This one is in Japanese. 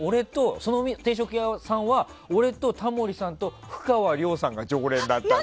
その定食屋さんは俺とタモリさんとふかわりょうさんが常連だった。